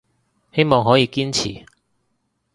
希望可以堅持